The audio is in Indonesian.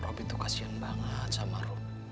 robby tuh kasian banget sama rumah anak